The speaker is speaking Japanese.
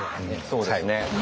そうですね最後。